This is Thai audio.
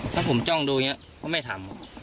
ถ้าผมจ้องดูอย่างนี้ก็ไม่ทำ